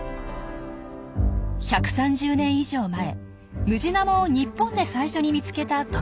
１３０年以上前ムジナモを日本で最初に見つけた富太郎さん。